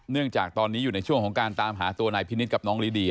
เนื่องจากตอนนี้อยู่ในช่วงของการตามหาตัวในพินิธกับน้องหลีเดีย